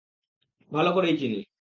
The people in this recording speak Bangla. ভাল করেই চিনি।